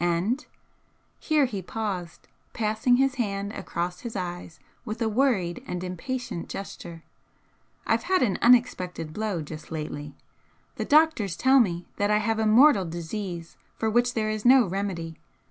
And" here he paused, passing his hand across his eyes with a worried and impatient gesture "I've had an unexpected blow just lately. The doctors tell me that I have a mortal disease for which there is no remedy.